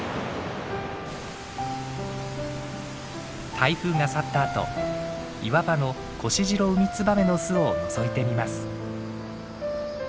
台風が去ったあと岩場のコシジロウミツバメの巣をのぞいてみます。